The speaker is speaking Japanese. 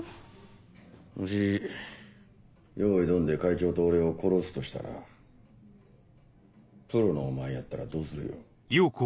もしよいドンで会長と俺を殺すとしたらプロのお前やったらどうするよ？